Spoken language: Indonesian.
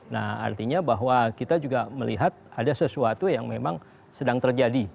nah artinya bahwa kita juga melihat ada sesuatu yang memang sedang terjadi